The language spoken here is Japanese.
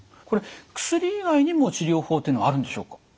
これ薬以外にも治療法っていうのはあるんでしょうか？